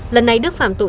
lần này đức phạm tội